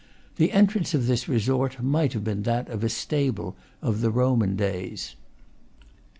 The entrance of this resort might have been that of a stable of the Roman days.